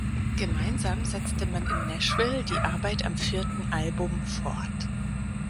Gemeinsam setzte man in Nashville die Arbeit am vierten Album fort.